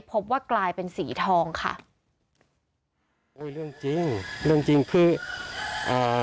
พบว่ากลายเป็นสีทองค่ะโอ้ยเรื่องจริงเรื่องจริงคืออ่า